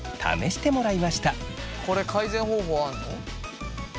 これ改善方法あるの？